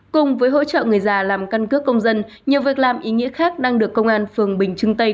cùng với hỗ trợ người già làm căn cước công dân nhiều việc làm ý nghĩa khác đang được công an phường bình trưng tây